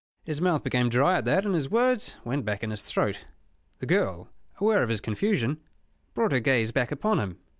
His mouth became dry at that and his words went back in his throat. The girl, aware of his confusion, brought her gaze back upon him.